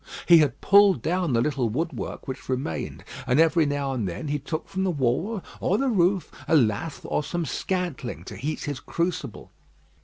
He had pulled down the little woodwork which remained; and every now and then he took from the wall or the roof a lath or some scantling, to heat his crucible.